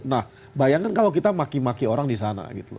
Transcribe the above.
nah bayangkan kalau kita maki maki orang di sana gitu